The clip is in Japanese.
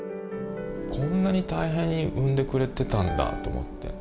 こんなに大変に産んでくれてたんだと思って。